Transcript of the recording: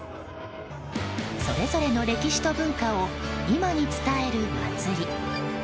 それぞれの歴史と文化を今に伝える祭り。